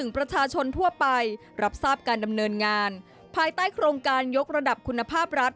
ภายใต้โครงการยกระดับคุณภาพรัฐ